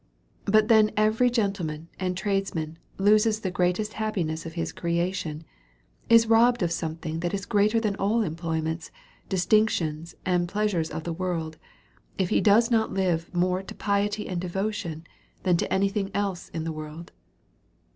But then every gentleman and tradesman loses the greatest happiness of his creation^ is robbed of something that is greater than all employments^ dis tinctions^ and pleasures of the worlds if he does not live more to piety and devotion,, than to any thing else in the world.